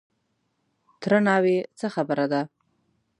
_تره ناوې! څه خبره ده؟